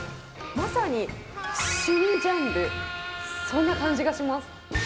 まさに新ジャンル、そんな感じがします。